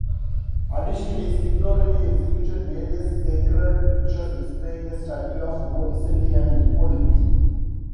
Additionally, Signorelli executed various sacred pictures, displaying a study of Botticelli and Lippo Lippi.